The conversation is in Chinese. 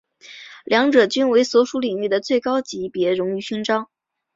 两者均为所属领域的最高级别荣誉勋章。